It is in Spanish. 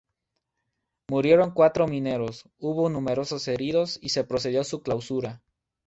Murieron cuatro mineros, hubo numerosos heridos y se procedió a su clausura.